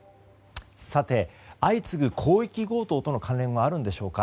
さて、相次ぐ広域強盗との関連はあるんでしょうか。